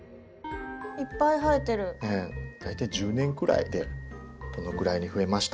大体１０年くらいでこのくらいに増えました。